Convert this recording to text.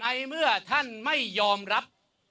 ในเมื่อท่านไม่ยอมรับ